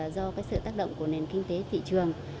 do cái sự tác động của nền kinh tế thị trường